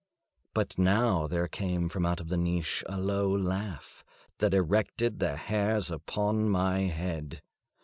But now there came from out the niche a low laugh that erected the hairs upon my head.